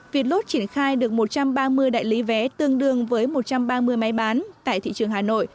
vietlot triển khai được một trăm ba mươi đại lý vé tương đương với một trăm ba mươi máy bán tại thị trường hà nội